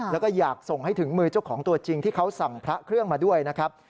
แล้วก็อยากส่งให้ถึงมือเจ้าของตัวจริงที่เขาสั่งพระเครื่องมาด้วยนะครับ